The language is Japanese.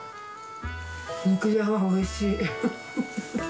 肉じゃが、おいしい。